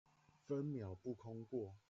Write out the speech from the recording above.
分秒不空過